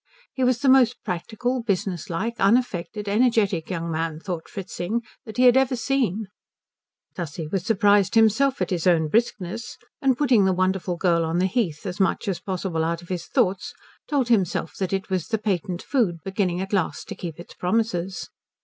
He was the most practical, businesslike, unaffected, energetic young man, thought Fritzing, that he had even seen. Tussie was surprised himself at his own briskness, and putting the wonderful girl on the heath as much as possible out of his thoughts, told himself that it was the patent food beginning at last to keep its promises.